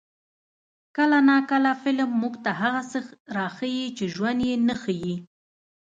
کله ناکله فلم موږ ته هغه څه راښيي چې ژوند یې نه ښيي.